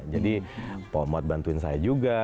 jadi pomot bantuin saya juga